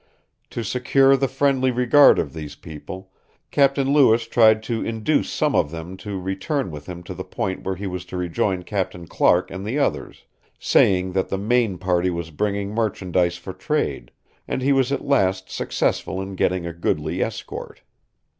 To secure the friendly regard of these people, Captain Lewis tried to induce some of them to return with him to the point where he was to rejoin Captain Clark and the others, saying that the main party was bringing merchandise for trade; and he was at last successful in getting a goodly escort.